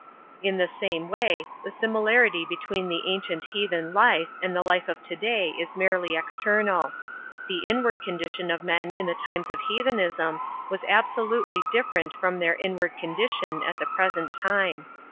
In the same way the similarity between the ancient heathen life and the life of to day is merely external: the inward condition of men in the times of heathenism was absolutely different from their inward condition at the present time.